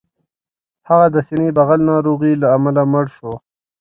هغه د سینې بغل ناروغۍ له امله مړ شو